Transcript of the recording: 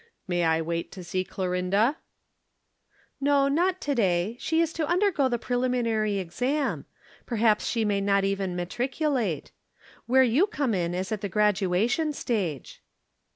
May I wait to see Clorinda?" "No, not to day. She has to undergo the Preliminary Exam. Perhaps she may not even matriculate. Where you come in is at the graduation stage."